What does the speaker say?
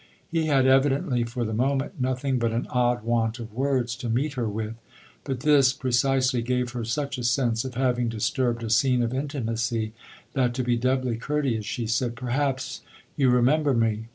He had evidently, for the moment, nothing but an odd want of words to meet her with ; but this, precisely, gave her such a sense of having disturbed a scene of intimacy that, to be doubly courteous, she said : THE OTHER HOUSE 221 " Perhaps you remember me.